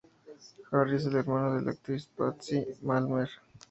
Harry es el hermano de la actriz Patsy Palmer.